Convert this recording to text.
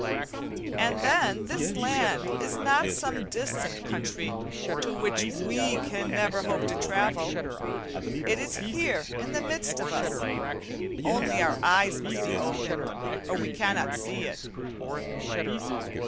And then this land is not some distant country to which we can never hope to travel. It is here in the midst of us, only our eyes must be opened or we cannot see it.